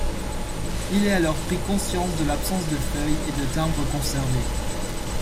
Il est alors pris conscience de l'absence de feuilles et de timbres conservés.